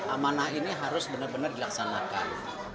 amanah ini harus bener bener dilaksanakan